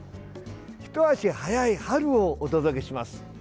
一足早い春をお届けします。